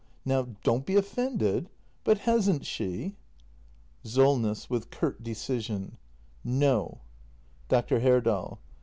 Now don't be offended — but hasn't she ? SOLNESS. [With curt decision.] No. Dr. Herdal.